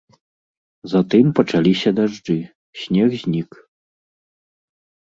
Затым пачаліся дажджы, снег знік.